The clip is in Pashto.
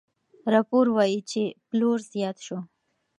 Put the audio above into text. راپور وايي چې پلور زیات شو.